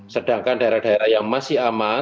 sedangkan daerah daerah yang masih aman